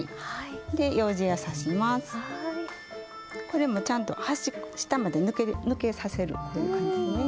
これもちゃんと端っこ下まで抜けさせるこういう感じでね。